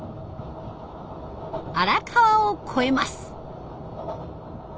荒川を越えます。